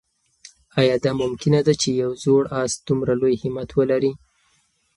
آیا دا ممکنه ده چې یو زوړ آس دومره لوی همت ولري؟